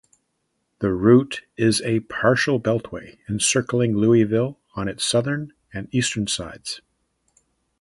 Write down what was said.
The route is a partial beltway, encircling Louisville on its southern and eastern sides.